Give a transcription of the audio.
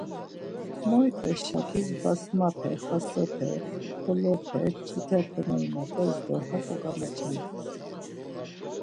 Moit̆es şakis basmape, xasepe, kolope, çitepe moimet̆es do hako gamaçamt̆es.